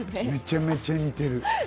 めちゃめちゃ似てる。